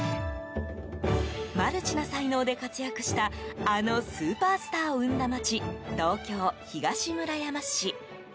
マルチな才能で活躍したあのスーパースターを生んだ街東京・東村山市。